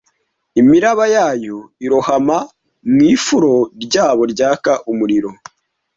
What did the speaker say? imiraba yayo irohama mu ifuro ryabo ryaka umuriro